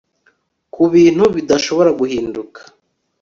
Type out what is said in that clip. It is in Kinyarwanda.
ku bintu bidashobora guhinduka